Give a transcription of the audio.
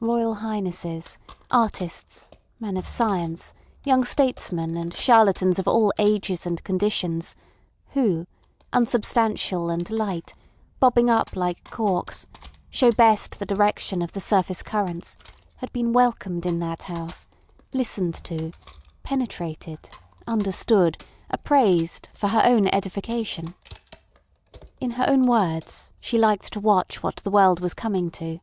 Royal Highnesses, artists, men of science, young statesmen, and charlatans of all ages and conditions, who, unsubstantial and light, bobbing up like corks, show best the direction of the surface currents, had been welcomed in that house, listened to, penetrated, understood, appraised, for her own edification. In her own words, she liked to watch what the world was coming to.